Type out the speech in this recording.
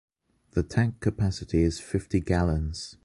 The tank capacity is fifty gallons.